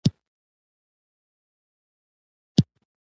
غټي شنې،